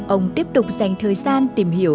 ông tiếp tục dành thời gian tìm hiểu